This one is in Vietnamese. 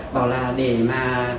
bảo là để mà